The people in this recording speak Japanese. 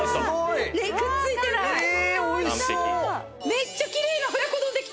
めっちゃきれいな親子丼できた！